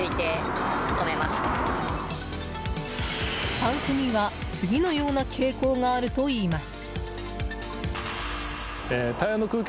パンクには次のような傾向があるといいます。